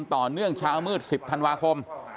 ต่อเนื่องเช้ามืด๑๐ธันวาคม